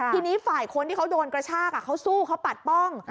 ทีนี้ฝ่ายคนที่เขาโดนกระชากเขาสู้เขาปัดป้อง